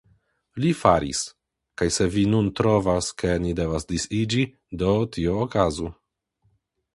Li faris; kaj se vi nun trovas, ke ni devas disiĝi, do tio okazu.